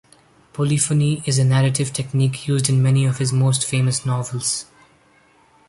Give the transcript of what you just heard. Polyphony is a narrative technique used in many of his most famous novels.